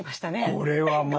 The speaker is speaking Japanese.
これはもう。